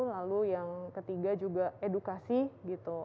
lalu yang ketiga juga edukasi gitu